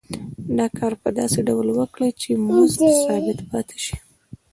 دا کار په داسې ډول وکړي چې مزد ثابت پاتې شي